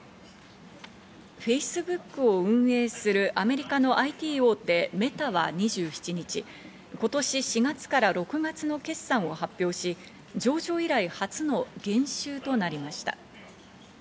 Ｆａｃｅｂｏｏｋを運営するアメリカのＩＴ大手メタは２７日、今年４月から６月の決算を発表し、上場以来初の減収となりました。